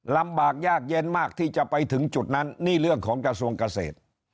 ลำบากยากเย็นมากที่จะไปถึงจุดนั้นนี่เรื่องของกระทรวงเกษตร